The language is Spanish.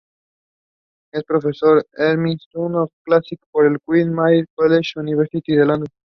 Fue Professor Emeritus of Classics por el Queen Mary College, Universidad de Londres.